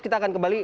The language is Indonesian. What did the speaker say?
kita akan kembali